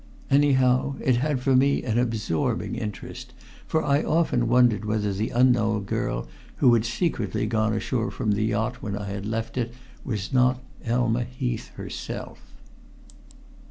Anyhow, it had for me an absorbing interest, for I often wondered whether the unknown girl who had secretly gone ashore from the yacht when I had left it was not Elma Heath herself.